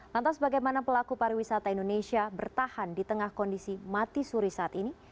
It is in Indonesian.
lantas bagaimana pelaku pariwisata indonesia bertahan di tengah kondisi mati suri saat ini